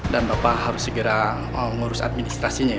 dan bapak harus segera ngurus administrasinya ya